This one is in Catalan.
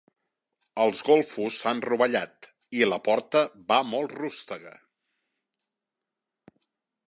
Els golfos s'han rovellat i la porta va molt rústega.